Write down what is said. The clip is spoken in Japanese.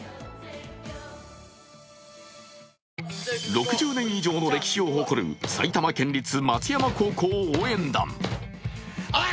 ６０年以上の歴史を誇る埼玉県立松山高校應援團。